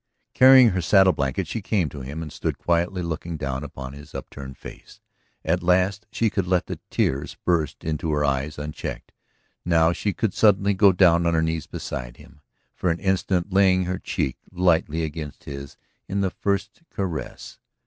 Carrying her saddle blanket she came to him and stood quietly looking down into his upturned face. At last she could let the tears burst into her eyes unchecked, now she could suddenly go down on her knees beside him, for an instant laying her cheek lightly against his in the first caress.